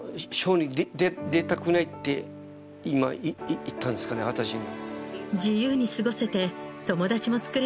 今言ったんですかね私に。